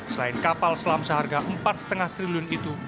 selain kapal selam seharga empat lima triliun itu